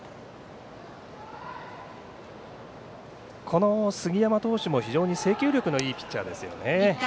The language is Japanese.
この杉山投手も非常に制球力のいいピッチャーですよね。